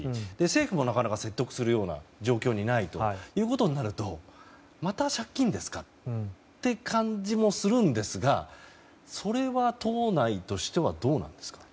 政府もなかなか説得するような状況にないとなるとまた借金ですかねって感じもするんですがそれは、党内としてはどうなんですか？